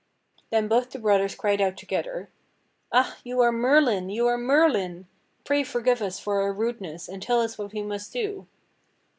Then both the brothers cried out together: "Ah! you are Merlin, you are Merlin! Pray forgive us for our rudeness and tell us what we must do!"